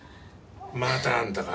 またあんたか。